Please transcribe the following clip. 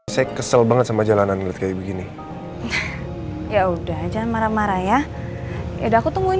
saya kesel banget sama jalanan lut kayak begini ya udah jangan marah marah ya udah aku temuin